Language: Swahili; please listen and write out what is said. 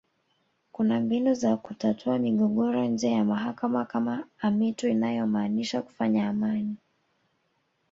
Kuna mbinu za kutatua migogoro nje ya mahakama kama amitu inayomaanisha kufanya amani